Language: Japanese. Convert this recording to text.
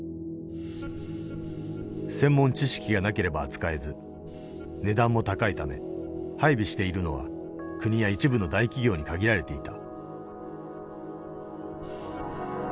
専門知識がなければ扱えず値段も高いため配備しているのは国や一部の大企業に限られていた。